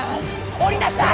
降りなさい！